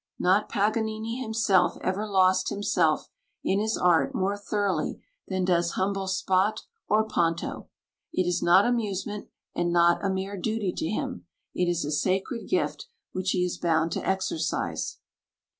Not Paganini himself ever lost himself in his art more thoroughly than does humble Spot or Ponto. It is not amusement and not a mere duty to him; it is a sacred gift, which he is bound to exercise.